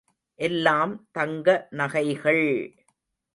எல்லாம் தங்க நகைகள்!